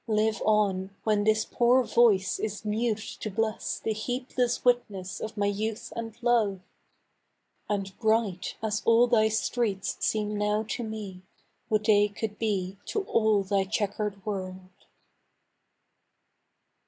Live on, when this poor voice is mute to bless The heedless witness of my youth and love ! And bright as all thy streets seem now to me Would they could be to all thy checquer'd world